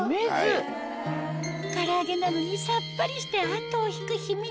から揚げなのにさっぱりして後を引く秘密